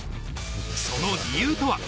その理由とは？